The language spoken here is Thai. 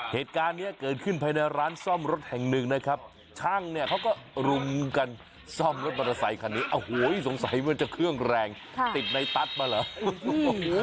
เหตุการณ์เนี้ยเกิดขึ้นภายในร้านซ่อมรถแห่งหนึ่งนะครับช่างเนี่ยเขาก็รุมกันซ่อมรถมอเตอร์ไซคันนี้โอ้โหสงสัยมันจะเครื่องแรงติดในตัสมาเหรอ